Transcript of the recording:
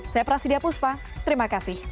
saya prasidya puspa terima kasih